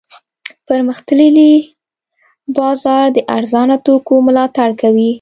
پرمختللی بازار د ارزانه توکو ملاتړ کوي.